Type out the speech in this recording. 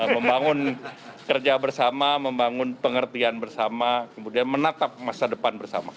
membangun kerja bersama membangun pengertian bersama kemudian menatap masa depan bersama